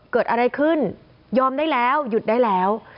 เกิดอะไรขึ้นยอมได้แล้วหยุดได้แล้ว